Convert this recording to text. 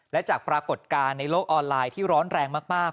และจากปรากฏการณ์ในโลกออนไลน์ที่ร้อนแรงมาก